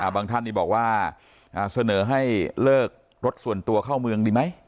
ท่านนี้บอกว่าเสนอให้เลิกรถส่วนตัวเข้าเมืองดีไหม